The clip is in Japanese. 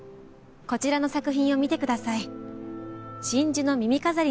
こちらの作品を見てください。